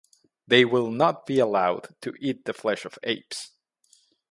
They will not be allowed to eat the flesh of apes.